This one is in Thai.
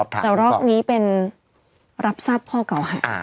แต่รอบนี้เป็นรับทราบข้อเก่าหา